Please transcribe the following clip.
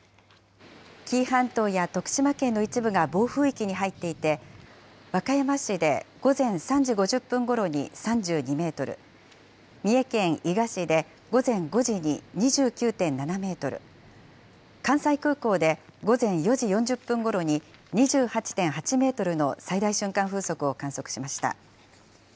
紀伊半島や徳島県の一部が暴風域に入っていて、和歌山市で午前３時５０分ごろに３２メートル、三重県伊賀市で午前５時に２９．７メートル、関西空港で午前４時４０分ごろに２８．８メートルの最大瞬間風速を観測しました。